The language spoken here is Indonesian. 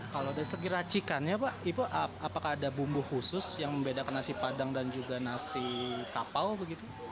kalau dari segi racikannya pak ibu apakah ada bumbu khusus yang membedakan nasi padang dan juga nasi kapau begitu